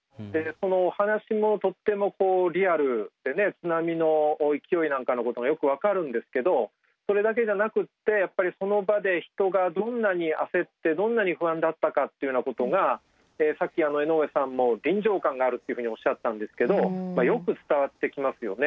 津波の勢いなんかのことがよく分かるんですけどそれだけじゃなくってやっぱりその場で人がどんなに焦ってどんなに不安だったかっていうようなことがさっき江上さんも臨場感があるっていうふうにおっしゃったんですけどよく伝わってきますよね。